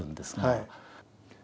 はい。